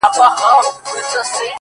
راته را يې کړې په لپو کي سندرې”